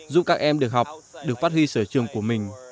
giúp các em được học được phát huy sở trường của mình